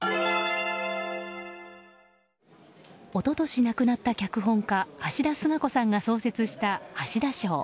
一昨年亡くなった脚本家・橋田壽賀子さんが創設した、橋田賞。